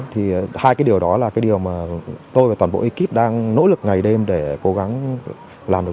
thì hai cái điều đó là cái điều mà tôi và toàn bộ ekip đang nỗ lực ngày đêm để cố gắng làm được